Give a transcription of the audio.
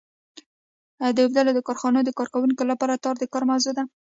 د اوبدلو د کارخونې د کارکوونکو لپاره تار د کار موضوع ده.